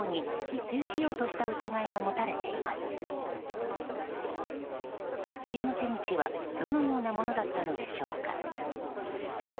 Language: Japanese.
密輸の手口はどのようなものだったのでしょうか。